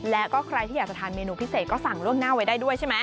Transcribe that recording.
และก็ใครที่อยากจะทานเมนูพิเศษก็สั่งล่วงหน้าไว้ได้ด้วยใช่ไหม